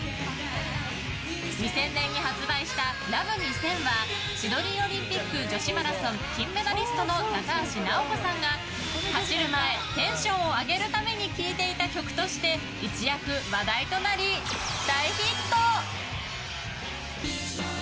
２０００年に発売した「ＬＯＶＥ２０００」はシドニーオリンピック女子マラソン金メダリストの高橋尚子さんが走る前テンションを上げるために聴いていた曲として一躍話題となり、大ヒット！